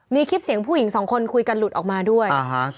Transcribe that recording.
มีคลิปเสียงผู้หญิงสองคนคุยกันหลุดออกมาด้วย